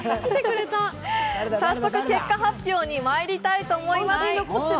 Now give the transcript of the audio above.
早速結果発表にまいりたいと思います。